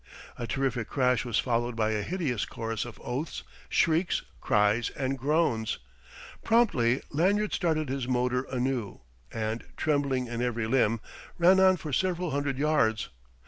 A terrific crash was followed by a hideous chorus of oaths, shrieks, cries and groans. Promptly Lanyard started his motor anew and, trembling in every limb, ran on for several hundred yards.